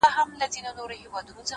• څو اوښان لرې څو غواوي څو پسونه,